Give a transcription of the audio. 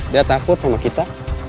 dia takut sama kita